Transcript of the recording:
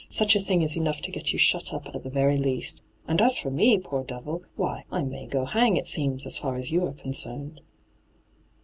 Such a thing is enough to get you shut up at the very least. And as for' me, poor devil ! why, I may go hang, it seems, as far as you are oonoemed.'